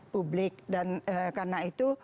publik dan karena itu